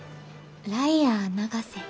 「ライアー永瀬」？